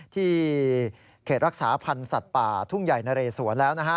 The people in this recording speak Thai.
ที่เขตรักษาพันธุ์สัตว์ป่าทุ่งใหญ่นะเรศวะแล้ว